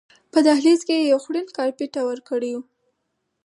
په دهلیز کې یې یو خوړین کارپېټ هوار کړی و.